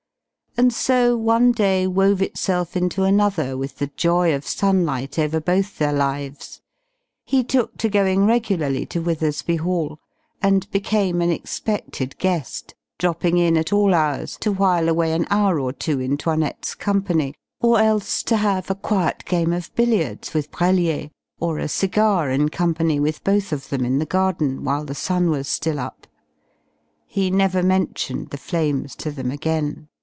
And so one day wove itself into another with the joy of sunlight over both their lives. He took to going regularly to Withersby Hall, and became an expected guest, dropping in at all hours to wile away an hour or two in 'Toinette's company, or else to have a quiet game of billiards with Brellier, or a cigar in company with both of them, in the garden, while the sun was still up. He never mentioned the flames to them again.